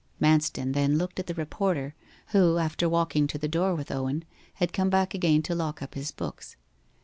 Manston then looked at the reporter, who, after walking to the door with Owen, had come back again to lock up his books.